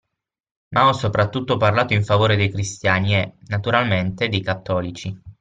Ma ho soprattutto parlato in favore dei cristiani e, naturalmente, dei cattolici